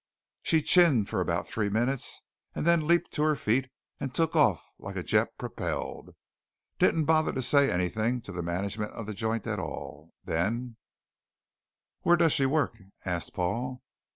She chinned for about three minutes and then leaped to her feet and took off like jet propelled. Didn't bother to say anything to the management of the joint at all. Then " "Where does she work?" asked Paul.